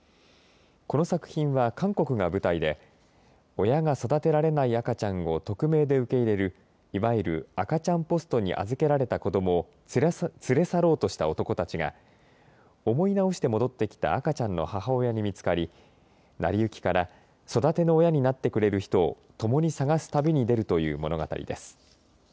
この作品は韓国が舞台で親が育てられない赤ちゃんを匿名で受け入れるいわゆる赤ちゃんポストに預けられた子どもを連れ去ろうとした男たちが思い直して戻ってきた赤ちゃんの母親に見つかり成り行きから育ての親になってくれる人を共に探す旅に出るという物語です。